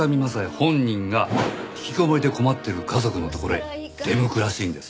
本人が引きこもりで困ってる家族のところへ出向くらしいんです。